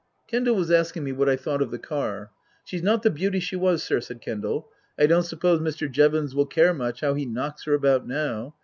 Kendal was asking me what I thought of the car. " She's not the beauty she was, sir," said Kendal. " I don't suppose Mr. Jevons will care much how he knocks her about now.